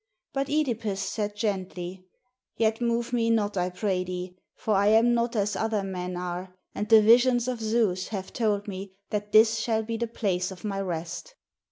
But (Edipus said gently, "Yet move me not, I pray thee, for I am not as other men are, and the visions of Zeus have told me that this shall be the place of my rest.